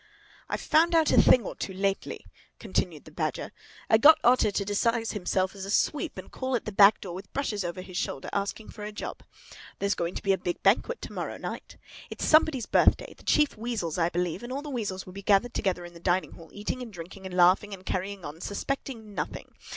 "I've found out a thing or two lately," continued the Badger. "I got Otter to disguise himself as a sweep and call at the back door with brushes over his shoulder, asking for a job. There's going to be a big banquet to morrow night. It's somebody's birthday—the Chief Weasel's, I believe—and all the weasels will be gathered together in the dining hall, eating and drinking and laughing and carrying on, suspecting nothing.